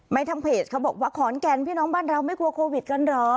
ทางเพจเขาบอกว่าขอนแก่นพี่น้องบ้านเราไม่กลัวโควิดกันเหรอ